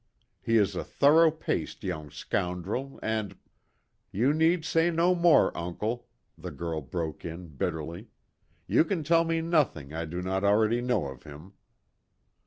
He is a thorough paced young scoundrel and " "You need say no more, uncle," the girl broke in bitterly. "You can tell me nothing I do not already know of him."